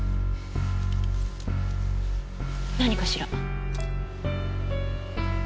何かしら？